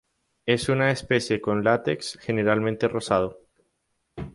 Es una especie con látex generalmente rosado.